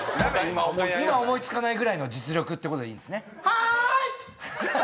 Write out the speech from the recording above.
今思い付かないぐらいの実力ってことでいいんですね？